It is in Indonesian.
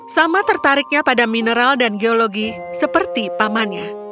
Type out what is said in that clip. sama tertariknya pada mineral dan geologi seperti pamannya